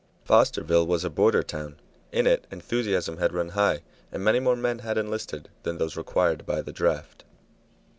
Fosterville was a border town; in it enthusiasm had run high, and many more men had enlisted than those required by the draft.